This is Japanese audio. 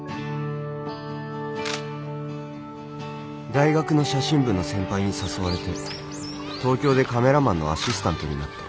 大学の写真部の先輩に誘われて東京でカメラマンのアシスタントになった。